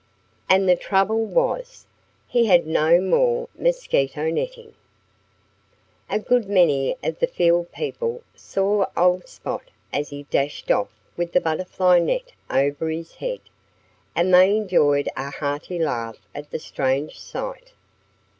And the trouble was, he had no more mosquito netting. A good many of the field people saw old Spot as he dashed off with the butterfly net over his head. And they enjoyed a hearty laugh at the strange sight.